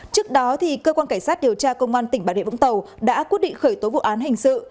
trước đó cơ quan cảnh sát điều tra công an tỉnh bà rịa vũng tàu đã quyết định khởi tố vụ án hình sự